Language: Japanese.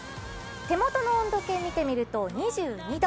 手元の温度計を見てみると２２度。